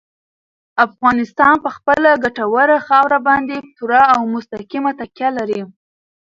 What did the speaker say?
افغانستان په خپله ګټوره خاوره باندې پوره او مستقیمه تکیه لري.